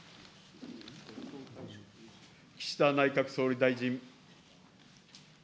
岸田内閣総理大臣。